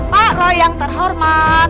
pak roy yang terhormat